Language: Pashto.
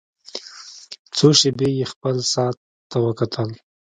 څو شېبې يې خپل ساعت ته وکتل.